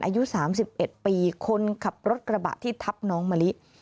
อายุ๓๑ปีคนขับรถกระบะที่ทับน้องมะลิ